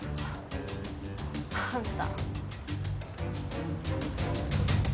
あんた。